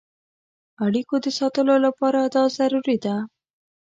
اړیکو د ساتلو لپاره دا ضروري ده.